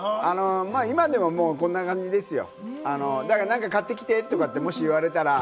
今でもこんな感じですよ。